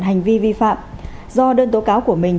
hành vi vi phạm do đơn tố cáo của mình